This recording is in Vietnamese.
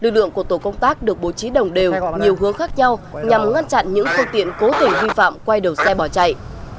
lực lượng của tổ công tác được bố trí đồng đều nhiều hướng khác nhau nhằm ngăn chặn những phương tiện cố tình vi phạm quay đầu xe bỏ chạy